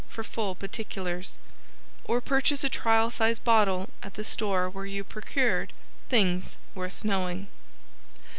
for full particulars, or purchase a trial size bottle at the store where you procured "Things Worth Knowing."